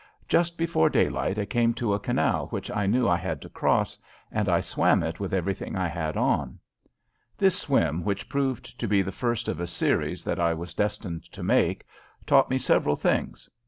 Just before daylight I came to a canal which I knew I had to cross, and I swam it with everything I had on. This swim, which proved to be the first of a series that I was destined to make, taught me several things.